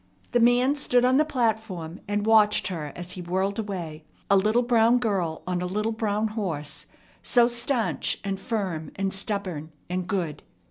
The man stood on the platform, and watched her as he whirled away a little brown girl on a little brown horse, so stanch and firm and stubborn and good.